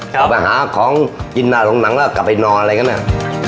กลับมาหาของกินหน้าโรงหนังแล้วกลับไปนอนอะไรกันเนี่ย